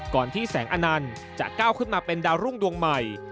ที่แสงอนันต์จะก้าวขึ้นมาเป็นดาวรุ่งดวงใหม่